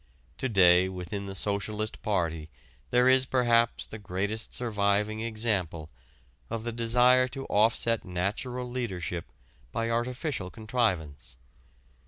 To day within the Socialist Party there is perhaps the greatest surviving example of the desire to offset natural leadership by artificial contrivance.